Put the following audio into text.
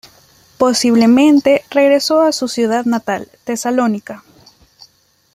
Posiblemente regresó a su ciudad natal, Tesalónica.